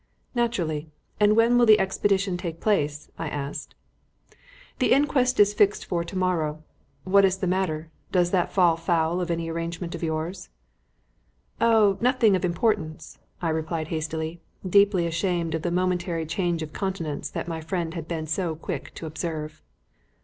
"Naturally. And when will the expedition take place?" I asked. "The inquest is fixed for to morrow what is the matter? Does that fall foul of any arrangement of yours?" "Oh, nothing of any importance," I replied hastily, deeply ashamed of the momentary change of countenance that my friend had been so quick to observe.